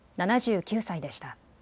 ７９歳でした。